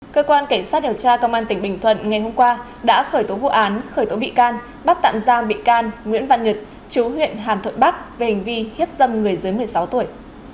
cơ quan cảnh sát điều tra công an tỉnh bình thuận ngày hôm qua đã khởi tố vụ án khởi tố bị can bắt tạm giam bị can nguyễn văn nhật chú huyện hàn thuận bắc về hành vi hiếp dâm người dưới một mươi sáu tuổi